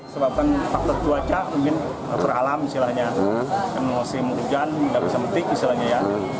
sebabkan faktor cuaca mungkin terhalam misalnya dan masih hujan nggak bisa metik misalnya ya